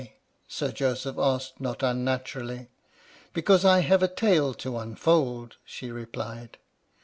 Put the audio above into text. Sir Joseph asked, not unnaturally. " Because I have a tale to unfold," she replied.